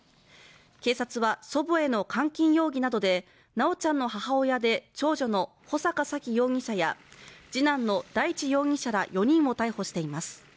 警察は、祖母への監禁容疑などで、修ちゃんの母親で長女の穂坂沙喜容疑者や次男の大地容疑者ら４人を逮捕しています。